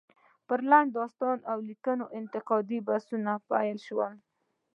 پر لنډ داستان ليکلو انتقادي بحثونه پيل شول.